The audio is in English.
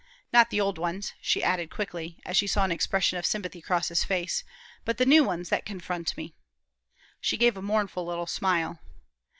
Not the old ones," she added, quickly, as she saw an expression of sympathy cross his face, "but the new ones that confront me." She gave a mournful little smile.